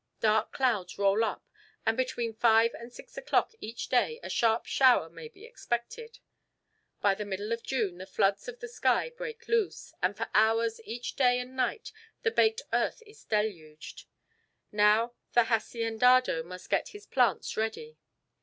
Dark clouds roll up, and between five and six o'clock each day a sharp shower may be expected. By the middle of June the floods of the sky break loose, and for hours each day and night the baked earth is deluged. Now the haciendado must get his plants ready.